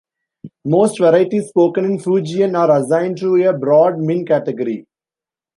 Most varieties spoken in Fujian are assigned to a broad Min category.